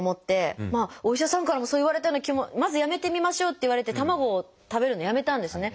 お医者さんからもそう言われたような気もまずやめてみましょうって言われて卵を食べるのをやめたんですね。